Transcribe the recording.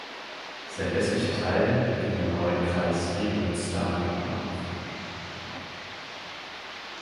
Sein westlicher Teil ging im neuen Kreis Ribnitz-Damgarten auf.